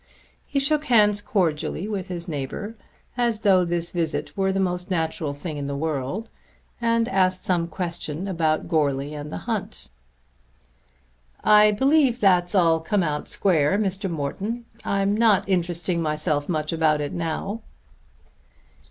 He shook hands cordially with his neighbour, as though this visit were the most natural thing in the world, and asked some questions about Goarly and the hunt. "I believe that'll all come square, Mr. Morton. I'm not interesting myself much about it now."